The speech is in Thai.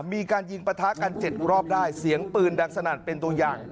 มีการยิงประทะกัน๗รอบได้เสียงปืนดังสนั่นเป็นตัวอย่าง